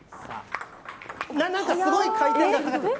なんかすごい回転がかかってる。